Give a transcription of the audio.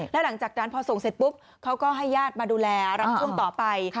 แล้วหลังจากนั้นพอส่งเสร็จปุ๊บเขาก็ให้ญาติมาดูแลรับช่วงต่อไป